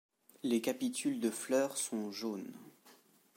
Les capitules de fleurs sont jaunes.